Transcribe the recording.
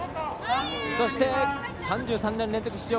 そして、３３年連続出場